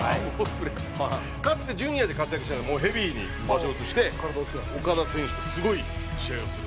かつてジュニアで活躍してたもうヘビーに場所移してオカダ選手とすごい試合をする。